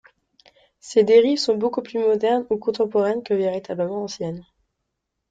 Ces dérives sont beaucoup plus modernes ou contemporaines que véritablement anciennes.